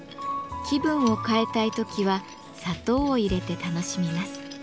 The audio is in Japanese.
気分を変えたい時は砂糖を入れて楽しみます。